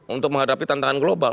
untuk menghadapi tantangan global